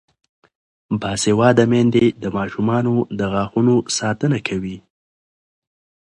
باسواده میندې د ماشومانو د غاښونو ساتنه کوي.